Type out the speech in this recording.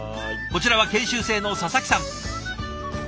こちらは研修生の佐々木さん。